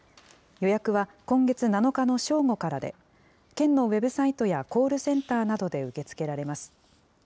予約は今月７日の正午からで、県のウェブサイトやコールセンターなどで受け付けられます。